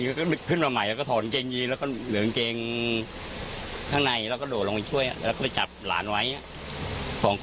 นุ้งแจงยี่กระโดดไปชิง